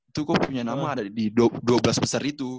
itu kok punya nama ada di dua belas besar itu